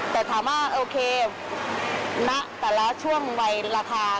แต่ถามว่าโอเคณแต่ละช่วงวัยราคา